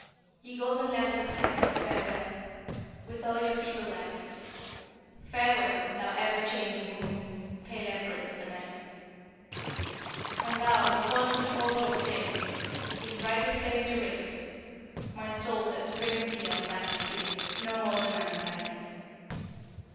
Ye golden lamps of heaven, farewell, With all your feeble light; Farewell, thou ever changing Moon, Pale empress of the Night. And thou, refulgent Orb of Day, In brighter flames arrayed; My soul, that springs beyond thy sphere, No more demands thine aid.